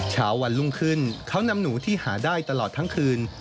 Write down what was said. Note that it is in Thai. เช้าวันรุ่งขึ้นเขานำหนูที่หาได้ตลอดทั้งคืน